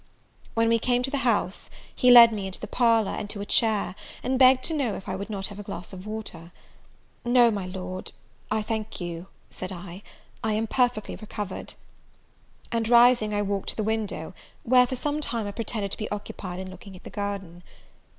When we came to the house, he led me into the parlour, and to a chair, and begged to know if I would not have a glass of water. "No, my Lord, I thank you," said I, "I am perfectly recovered;" and, rising, I walked to the window, where, for some time, I pretended to be occupied in looking at the garden.